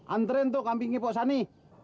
anterin tuh ke kambingnya pak sane